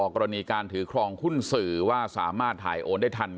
กรณีการถือครองหุ้นสื่อว่าสามารถถ่ายโอนได้ทัน